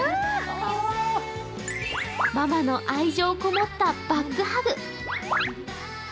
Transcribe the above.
ママの愛情こもったバックハグ。